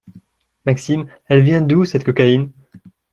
Maxime ? Elle vient d’où, cette cocaïne ?